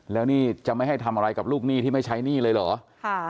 แล้วนี่จะไม่ให้ทำอะไรกับลูกหนี้ที่ไม่ใช้หนี้เลยเหรอ